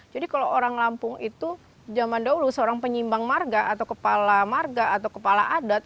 jadi kalau orang lampung itu zaman dahulu seorang penyimbang marga atau kepala marga atau kepala adat